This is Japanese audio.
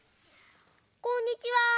こんにちは。